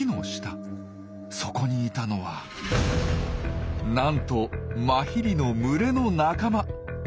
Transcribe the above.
そこにいたのはなんとマヒリの群れの仲間。